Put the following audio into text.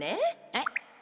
えっ？